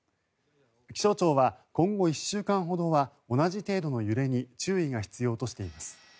気象庁は今後１週間ほどは同じ程度の揺れに注意が必要としています。